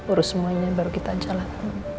urus semuanya baru kita jalankan